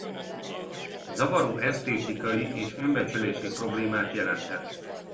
Zavaró esztétikai és önbecsülési problémát jelenthet.